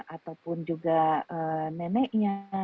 ataupun juga neneknya